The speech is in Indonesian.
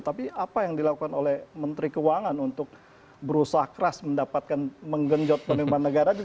tapi apa yang dilakukan oleh menteri keuangan untuk berusaha keras mendapatkan menggenjot penerimaan negara